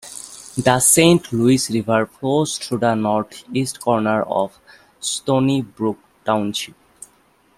The Saint Louis River flows through the northeast corner of Stoney Brook Township.